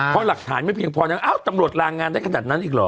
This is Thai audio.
เพราะหลักฐานไม่เป็นพอเนี่ยตำรวจลากงานได้ขนาดนั้นอีกเหรอ